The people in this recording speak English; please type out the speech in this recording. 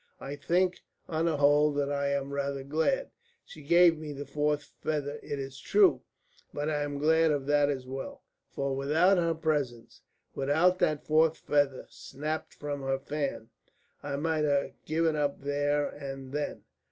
I think, on the whole, that I am rather glad. She gave me the fourth feather, it is true, but I am glad of that as well. For without her presence, without that fourth feather snapped from her fan, I might have given up there and then.